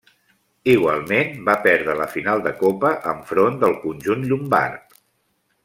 Igualment, va perdre la final de Copa enfront del conjunt llombard.